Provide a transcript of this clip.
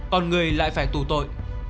còn người lại phải tù tội